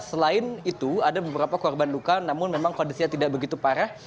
selain itu ada beberapa korban luka namun memang kondisinya tidak begitu parah